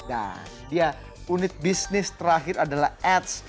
dan unit bisnis terakhir adalah ads